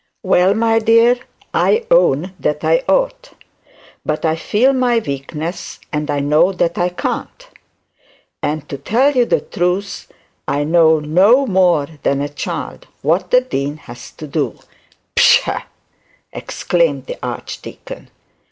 Well, my dear, I own that I ought. But I feel my weakness and I know that I can't. And, to tell you the truth, I know no more than a child what the dean has to do.' 'Pshaw!' exclaimed the archdeacon.